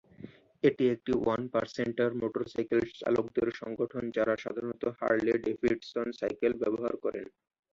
এটি একটি one-percenter motor cycle চালকদের সংগঠন যারা সাধারনত হারলে-ডেভিডসন সাইকেল ব্যবহার করেন।